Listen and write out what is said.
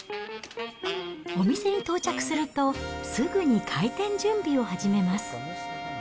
お店に到着すると、すぐに開店準備を始めます。